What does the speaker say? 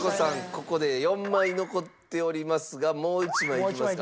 ここで４枚残っておりますがもう一枚いきますか？